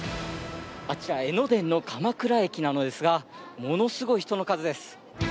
あちら江ノ電の鎌倉駅なのですが、ものすごい人の数です。